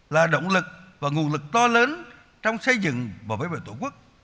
là động lực và nguồn lực to lớn trong xây dựng và bảo vệ tổ quốc